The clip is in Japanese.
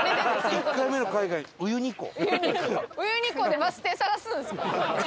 １回目の海外ウユニ湖？